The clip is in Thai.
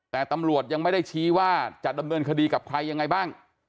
แต่ตำรวจยังไม่ได้ชี้ว่าจะดำเนินคดีกับใครยังไงบ้าง